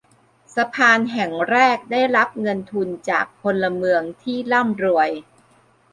สะพานแห่งแรกได้รับเงินทุนจากพลเมืองที่ร่ำรวย